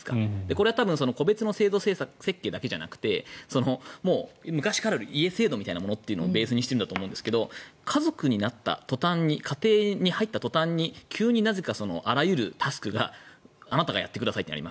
これは個別の制度設計だけじゃなくて昔からある家制度というものをベースにしているんだと思うんですけど家族になった途端に家庭に入った途端に急にあらゆるタスクがあなたがやってくださいとなると。